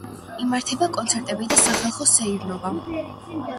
იმართება კონცერტები და სახალხო სეირნობა.